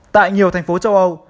tại nhiều thành phố châu âu